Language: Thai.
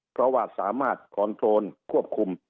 เพราะว่าสามารถคอนโทรลควบคุม